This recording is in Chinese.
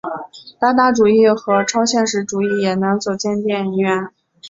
达达主义和超现实主义也能走进电影院。